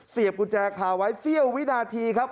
กุญแจคาไว้เสี้ยววินาทีครับ